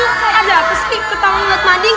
eh itu ada aku speak ketangguh buat mading